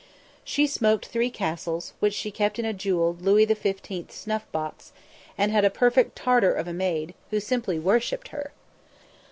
She smoked Three Castles, which she kept in a jewelled Louis XV snuff box, and had a perfect tartar of a maid, who simply worshipped her.